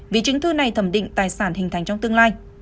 vì chứng thư này thẩm định tài sản hình thành trong tương lai